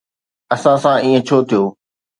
اسان سان ائين ڇو ٿيو؟